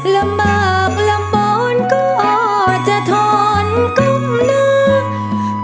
ลำบากลำบอนก็จะทนก้มหน้า